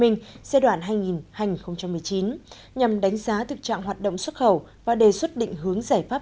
giai đoạn hai nghìn hai mươi hai nghìn một mươi chín nhằm đánh giá thực trạng hoạt động xuất khẩu và đề xuất định hướng giải pháp